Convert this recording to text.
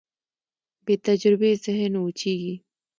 بېتجربې ذهن وچېږي.